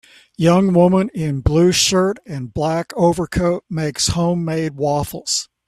Young woman in blue shirt and black overcoat makes homemade waffles